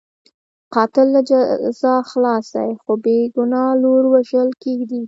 قاتل له جزا خلاص دی، خو بې ګناه لور وژل کېږي.